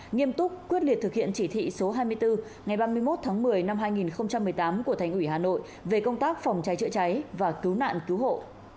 nghiêm túc quyết liệt thực hiện chỉ thị số hai mươi bốn ngày ba mươi một tháng một mươi năm hai nghìn một mươi tám của thành ủy hà nội về công tác phòng cháy chữa cháy và cứu nạn cứu hộ